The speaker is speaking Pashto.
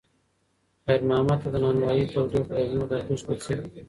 خیر محمد ته د نانوایۍ تودوخه د مور د غېږې په څېر وه.